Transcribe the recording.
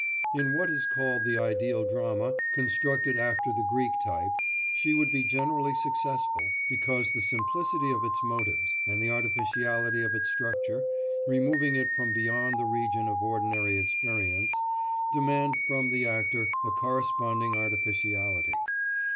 In what is called the ideal drama, constructed after the Greek type, she would be generally successful, because the simplicity of its motives and the artificiality of its structure, removing it from beyond the region of ordinary experience, demand from the actor a corresponding artificiality.